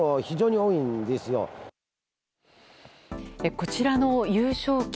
こちらの優勝旗。